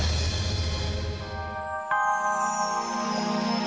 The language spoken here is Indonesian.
seelah minggu ber consegue mengetahui ia bernama kalau adanya